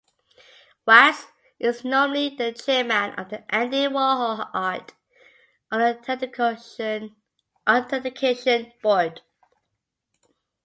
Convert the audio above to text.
Wachs is nominally the chairman of the Andy Warhol Art Authentication Board.